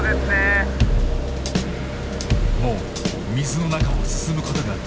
もう水の中を進むことができない。